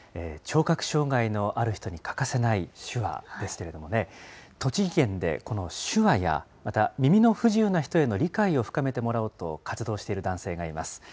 聴覚障害のある人に欠かせない手話ですけれどもね、栃木県で、この手話や、また耳の不自由な人への理解を深めてもらおうと活動している男性がいます。